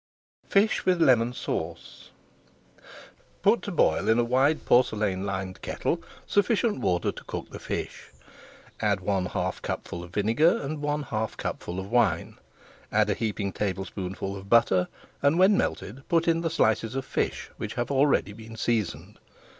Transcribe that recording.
FISH WITH LEMON SAUCE Put to boil in a wide porcelain lined kettle sufficient water to cook the fish. Add one half cupful of vinegar, and one half cupful of wine. Add a heaping tablespoonful of butter, and when melted, put in the slices of fish, which have already been seasoned.